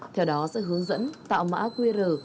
theo đó sẽ hướng dẫn tạo mã qr